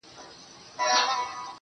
تۀ به یې ساقي شې او دے به وي مېخوار ستا